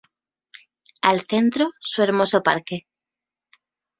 Al centro su hermoso parque.